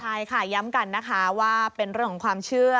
ใช่ค่ะย้ำกันนะคะว่าเป็นเรื่องของความเชื่อ